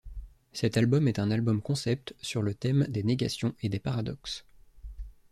Cet album est un album concept sur le thème des négations et des paradoxes.